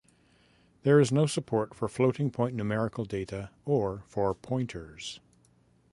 There is no support for floating point numeric data or for pointers.